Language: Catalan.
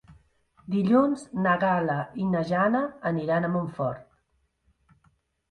Dilluns na Gal·la i na Jana aniran a Montfort.